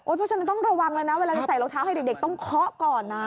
เพราะฉะนั้นต้องระวังเลยนะเวลาจะใส่รองเท้าให้เด็กต้องเคาะก่อนนะ